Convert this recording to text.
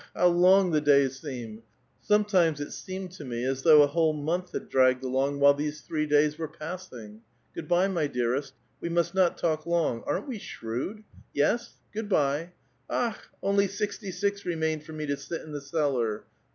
how long the days seem! SoiDi'tiines it hceiued to me as though a whole month had dragq^ed along while these three days were passing. Gocxj by, my doarest/ we must not talk long; aren't we shrewd i VC8 ? Ciood bv. Mh ! only sixty six remain for me to ail in the cellar.